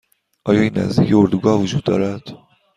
آیا این نزدیکی اردوگاه وجود دارد؟